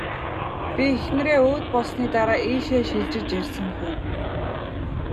Би эхнэрээ өөд болсны дараа ийшээ шилжиж ирсэн хүн.